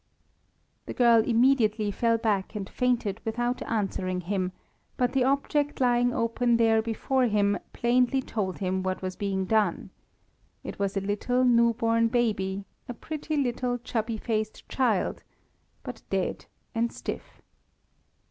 The girl immediately fell back and fainted without answering him, but the object lying open there before him plainly told him what was being done. It was a little new born baby, a pretty little chubby faced child; but dead and stiff.